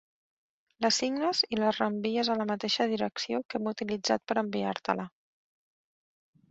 La signes i la reenvies a la mateixa direcció que hem utilitzat per enviar-te-la.